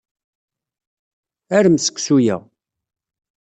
Arem seksu-a.